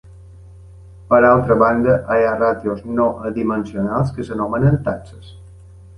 Per altra banda, hi ha ràtios no adimensionals que s'anomenen taxes.